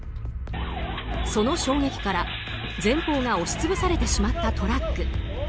その衝撃から前方が押し潰されてしまったトラック。